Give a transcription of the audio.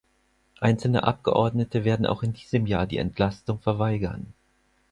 Einzelne Abgeordnete werden auch in diesem Jahr die Entlastung verweigern.